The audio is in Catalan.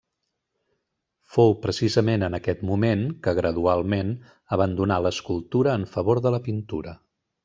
Fou precisament en aquest moment quan, gradualment, abandonà l'escultura en favor de la pintura.